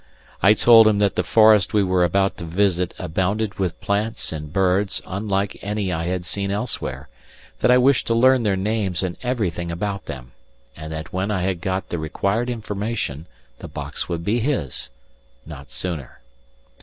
I told him that the forest we were about to visit abounded with plants and birds unlike any I had seen elsewhere, that I wished to learn their names and everything about them, and that when I had got the required information the box would be his not sooner.